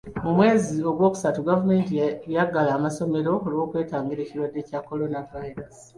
Mu mwezi gwokustu gavumenti yaggala amasomero olw'okwetangira ekirwadde kya Kolonavayiraasi.